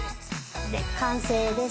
完成です。